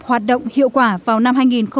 hoạt động hiệu quả vào năm hai nghìn hai mươi